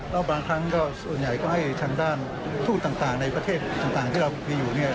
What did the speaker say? แล้วบางครั้งก็ส่วนใหญ่ก็ให้ทางด้านตั้งประเทศกันครับ